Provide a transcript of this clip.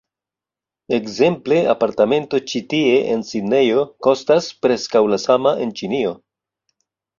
Ekzemple, apartamento ĉi tie en Sidnejo, kostas preskaŭ la sama en Ĉinio